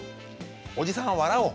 おじさんは笑おう。